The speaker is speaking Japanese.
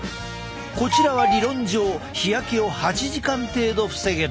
こちらは理論上日焼けを８時間程度防げる。